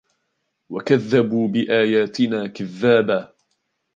وَكَذَّبُوا بِآيَاتِنَا كِذَّابًا